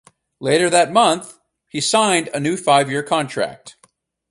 Later that month, he signed a new five-year contract.